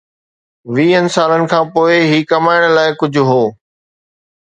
ويهن سالن کان پوء، هي ڪمائڻ لاء ڪجهه هو؟